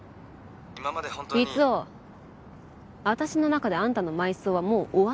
私の中であんたの埋葬はもう終わったの。